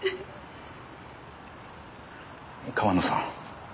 川野さん